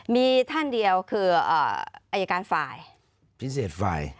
มีท่านเดียวคืออายการฝ่ายพิเศษฝ่าย